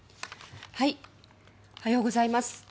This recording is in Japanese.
おはようございます。